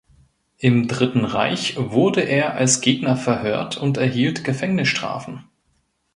Im Dritten Reich wurde er als Gegner verhört und erhielt Gefängnisstrafen.